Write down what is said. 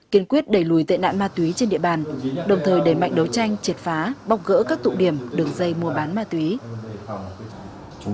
kiên quyết đẩy lùi tệ nạn ma túy trên địa bàn đồng thời đẩy mạnh đấu tranh triệt phá bọc gỡ các tụ điểm đường dây mua bán ma túy